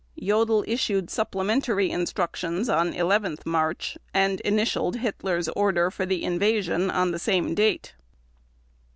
Jodl issued supplementary instructions on 11 March, and initialed Hitler's order for the invasion on the same date.